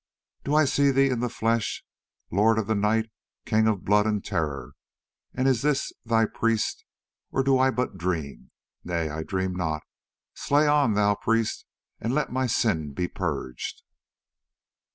Do I see thee in the flesh, Lord of the night, King of blood and terror, and is this thy priest? Or do I but dream? Nay, I dream not; slay on, thou priest, and let my sin be purged."